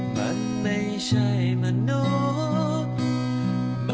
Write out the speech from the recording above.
มันไม่ใช่มนุษย์เค้าคงค่อยยังแสนทดี